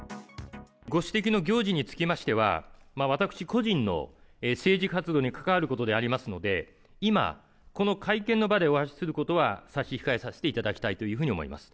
ご指摘の行事につきましては、私個人の政治活動に関わることでありますので、今、この会見の場でお話しすることは差し控えさせていただきたいというふうに思います。